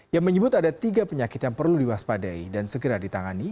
yang menyebut ada tiga penyakit yang perlu diwaspadai dan segera ditangani